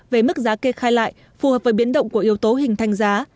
về mức giá kê khai lại phù hợp với biến động của yếu tố hình thành giá